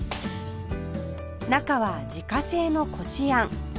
中は自家製のこしあん